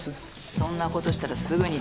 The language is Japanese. そんなことしたらすぐに捕まる。